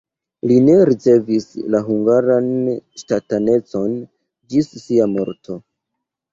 Li ne rericevis la hungaran ŝtatanecon ĝis sia morto.